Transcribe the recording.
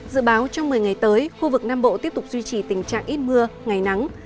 dự báo trong một mươi ngày tới khu vực nam bộ tiếp tục duy trì tình trạng ít mưa ngày nắng